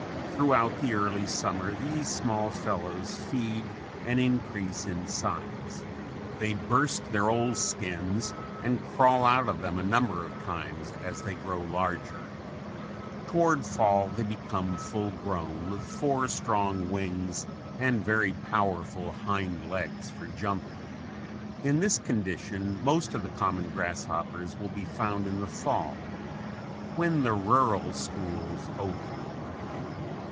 Throughout the early summer these small fellows feed and increase in size. They burst their old skins and crawl out of them a number of times as they grow larger. Toward fall they become full grown with four strong wings and very powerful hind legs for jumping. In this condition most of the common grasshoppers will be found in the fall when the rural schools open.